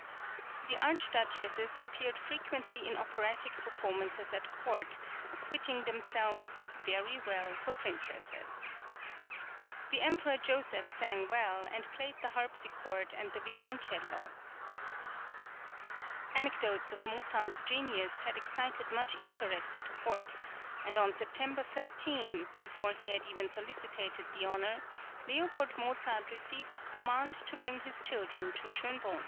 The Archduchesses appeared frequently in operatic performances at court, acquitting themselves "very well for princesses." The Emperor Joseph sang well, and played the harpsichord and the violoncello. Anecdotes of Mozart's genius had excited much interest at court, and on September 13, before he had even solicited the honour, L. Mozart received a command to bring his children to Schönbrunn.